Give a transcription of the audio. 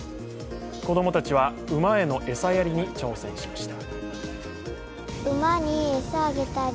子供たちは馬への餌やりに挑戦しました。